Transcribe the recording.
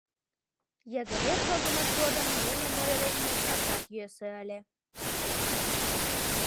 Йыгыре шогымышт годым нуным ойырен мошташат йӧсӧ ыле.